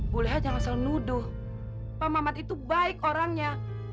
boleh aja langsung nuduh pak mahmad itu baik orangnya